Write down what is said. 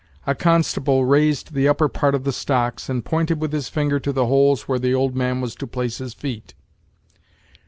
A constable raised the upper part of the stocks, and pointed with his finger to the holes where the old man was to place his feet.